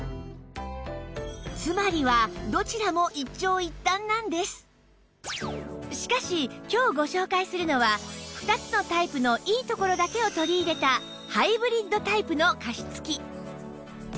つまりはどちらもしかし今日ご紹介するのは２つのタイプのいいところだけを取り入れたハイブリッドタイプの加湿器